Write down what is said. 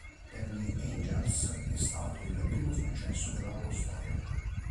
Per gli Angels è stato il primo successo della loro storia.